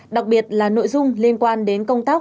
đặc biệt là nội dung liên quan đến công tác